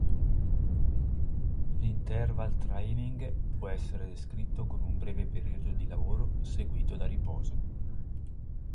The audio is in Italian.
L"'interval training" può essere descritto come un breve periodo di lavoro seguito da riposo.